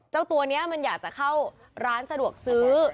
เจ้าตัวนี้มันอยากจะเข้าร้านสะดวกซื้อ